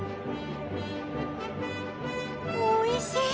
おいしい！